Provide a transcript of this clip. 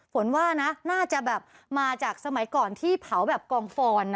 ฝนว่านะน่าจะแบบมาจากสมัยก่อนที่เผาแบบกองฟอน